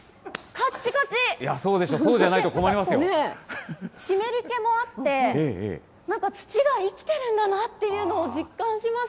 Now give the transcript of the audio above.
そうでしょう、そうじゃない湿り気もあって、なんか土が生きてるんだなっていうのを実感します。